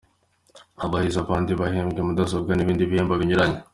Abahize abandi bahembwe mudasobwa n’ibindi bihembo binyuranye.